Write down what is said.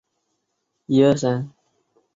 其中主要香港成为收入来源。